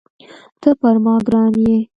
ته پر ما ګران یې